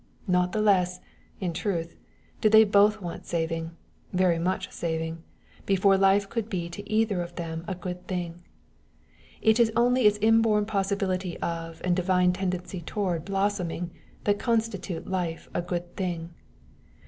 Not the less, in truth, did they both want saving very much saving before life could be to either of them a good thing. It is only its inborn possibility of and divine tendency toward blossoming that constitute life a good thing.